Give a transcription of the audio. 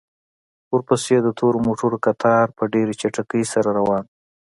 ورپسې د تورو موټرو کتار په ډېرې چټکۍ سره روان و.